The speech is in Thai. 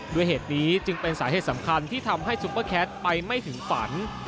ด้วยเหตุนี้จึงเป็นสาเหตุสำคัญที่ทำให้ซุปเปอร์แคทไปไม่ถึงฝัน